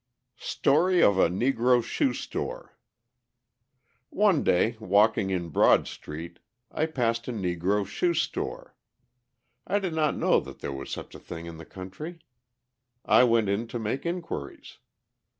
Story of a Negro Shoe store One day, walking in Broad Street, I passed a Negro shoe store. I did not know that there was such a thing in the country. I went in to make inquiries.